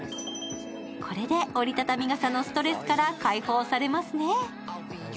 これで折り畳み傘のストレスから解放されますね。